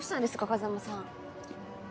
風真さん。